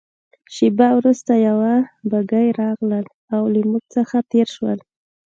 شېبه وروسته یوه بګۍ راغلل او له موږ څخه تېره شول.